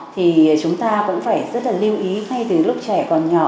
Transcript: thì chúng ta cũng phải rất là lưu ý ngay từ lúc trẻ còn nhỏ